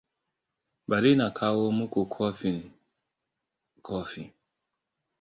Bari na kawo muku kofin kofi.